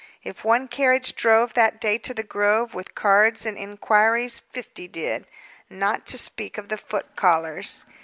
If one carriage drove, that day, to the Grove, with cards and inquiries, fifty did, not to speak of the foot callers.